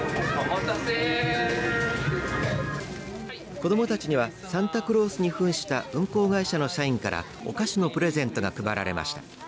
子どもたちにはサンタクロースにふんした運行会社の社員からお菓子のプレゼントが配られました。